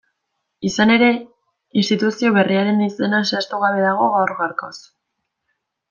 Izan ere, instituzio berriaren izena zehaztugabe dago gaur-gaurkoz.